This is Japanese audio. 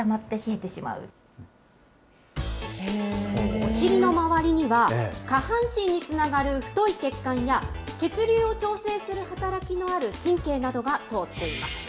お尻の周りには、下半身につながる太い血管や血流を調整する働きのある神経などが通っています。